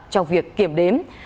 trong việc kiểm đếm